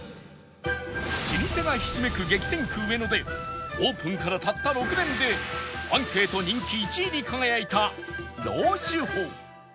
老舗がひしめく激戦区上野でオープンからたった６年でアンケート人気１位に輝いた老酒舗